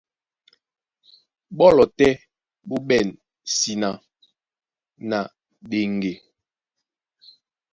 Ɓɔ́lɔ tɛ́ ɓó ɓɛ̂n síná na ndéŋgé.